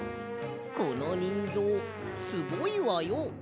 このにんぎょうすごいわよ。